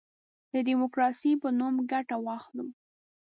د ډیموکراسی په نوم ګټه واخلو.